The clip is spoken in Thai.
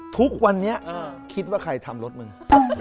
ทุกวันนี้คิดว่าใครทำรถมึง